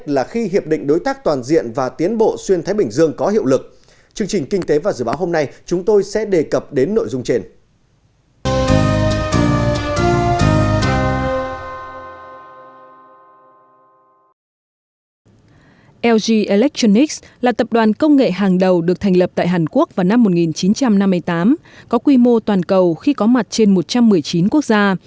lg electronics là tập đoàn công nghệ hàng đầu được thành lập tại hàn quốc vào năm một nghìn chín trăm năm mươi tám có quy mô toàn cầu khi có mặt trên một trăm một mươi chín quốc gia